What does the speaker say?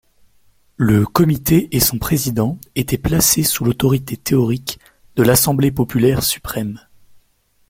Le Comité et son président était placés sous l'autorité théorique de l'Assemblée populaire suprême.